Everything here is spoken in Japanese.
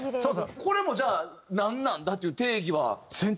これもじゃあなんなんだという定義は。